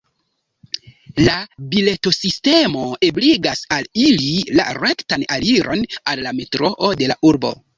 La biletosistemo ebligas al ili la rektan aliron al la metroo de la urbo.